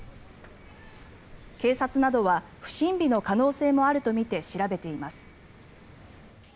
警察などは不審火の可能性もあるとみて調べています。